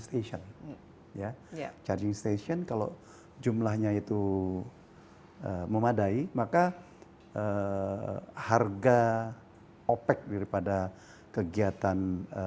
station ya charging station kalau jumlahnya itu memadai maka harga opec daripada kegiatan